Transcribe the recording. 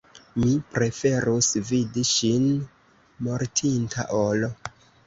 Mi preferus vidi ŝin mortinta ol.